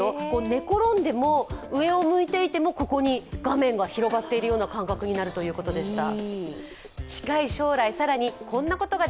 寝転んでも、上を向いていてもここに画面が広がっているような感覚になるということでした。